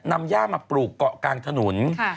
นำย่ามาปลูกเกาะกลางถนน